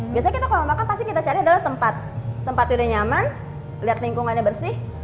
biasanya kalau kita mau makan pasti kita cari adalah tempat tempat yang udah nyaman lihat lingkungannya bersih